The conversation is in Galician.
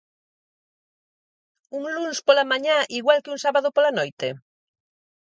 ¿Un luns pola mañá igual que un sábado pola noite?